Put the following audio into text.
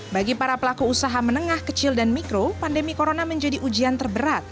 bagi para pelaku usaha menengah kecil dan mikro pandemi corona menjadi ujian terberat